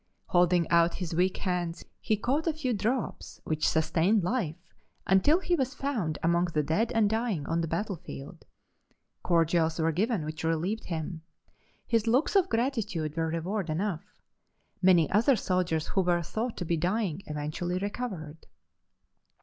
Holding out his weak hands, he caught a few drops, which sustained life until he was found among the dead and dying on the battlefield. Cordials were given which relieved him. His looks of gratitude were reward enough. Many other soldiers who were thought to be dying eventually recovered.